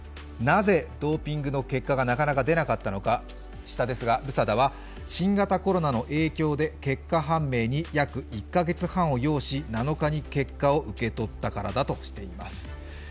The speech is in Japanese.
なぜドーピングの結果がなかなか出なかったのか、ＲＵＳＡＤＡは新型コロナの影響で結果判明に約１カ月半を要し、７日に結果を受け取ったからだとしています。